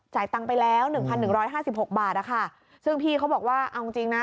จ่ายตั้งไปแล้ว๑๑๕๖บาทซึ่งพี่เขาบอกว่าเอาจริงนะ